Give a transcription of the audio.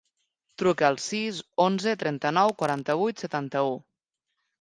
Truca al sis, onze, trenta-nou, quaranta-vuit, setanta-u.